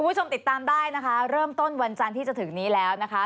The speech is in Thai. คุณผู้ชมติดตามได้นะคะเริ่มต้นวันจันทร์ที่จะถึงนี้แล้วนะคะ